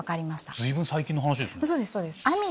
随分最近の話ですね。